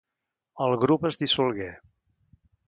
El grup es dissolgué.